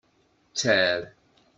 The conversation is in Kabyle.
Tter.